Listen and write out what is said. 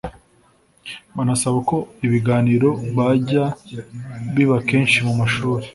banasaba ko ibi biganiro byajya biba kenshi mu mashuri